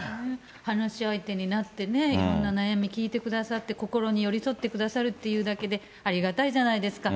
話相手になってね、いろんな悩み聞いてくださって、心に寄り添ってくださるっていうだけで、ありがたいじゃないですか。